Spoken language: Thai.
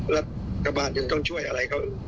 รัฐกระบาดจะต้องช่วยอะไรเขาบ้าง